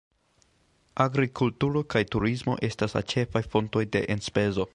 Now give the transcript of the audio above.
Agrikulturo kaj turismo estas la ĉefaj fontoj de enspezo.